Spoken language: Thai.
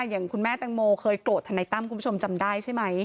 อย่างคุณแม่แตงโมเคยโกรธทนายตั้มคุณผู้ชมจำได้ใช่ไหม